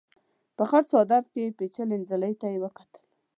په خړ څادر کې پيچلې نجلۍ ته يې وکتل.